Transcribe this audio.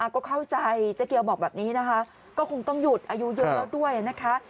ก็เข้าใจเจ๊เกียวบอกแบบนี้นะคะก็คงต้องหยุดอายุเยอะแล้วด้วยนะคะ